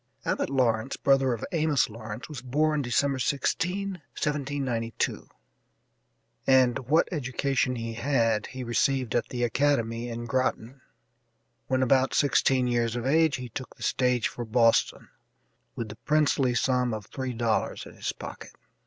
Abbott Lawrence, brother of Amos Lawrence, was born December 16, 1792, and what education he had he received at the academy in Groton. When about sixteen years of age he took the stage for Boston, with the princely sum of three dollars in his pocket.